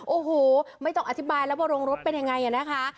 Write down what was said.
โอ้โหไม่ต้องอธิบายแล้วว่าโรงรถเป็นยังไงนะคะ